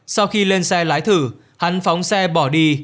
sau khi lên xe lái thử hắn phóng xe bỏ đi